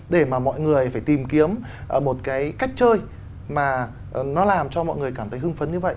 để mà mọi người phải tìm kiếm một cái cách chơi mà nó làm cho mọi người cảm thấy hưng phấn như vậy